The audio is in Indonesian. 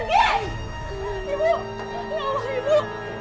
ya allah ibu